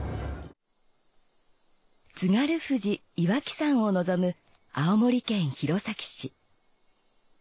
津軽富士岩木山を望む青森県弘前市。